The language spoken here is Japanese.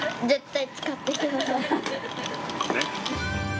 絶対使ってください。